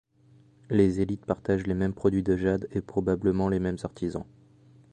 Les élites partagent les mêmes produits de jade, et probablement les mêmes artisans.